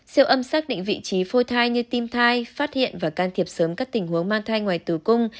siêu âm xác định vị trí phôi thai như tim thai phát hiện và can thiệp sớm các tình huống mang thai ngoài tử cung